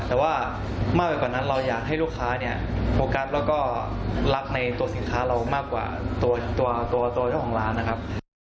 แต่ว่ามากไปกว่านั้นเราอยากให้ลูกค้าเนี่ยโฟกัสแล้วก็รักในตัวสินค้าเรามากกว่าตัวตัวเจ้าของร้านนะครับ